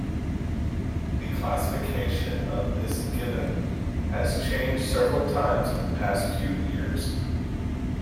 The classification of this gibbon has changed several times in the past few years.